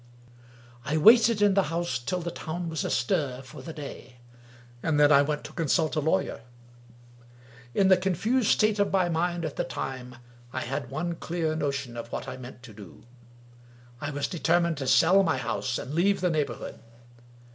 XIII I WAITED in the house till the town was astir for the day, and then I went to consult a lawyer. In the con fused state of my mind at the time, I had one clear notion of what I meant to do : I was determined to sell my house and leave the neighborhood.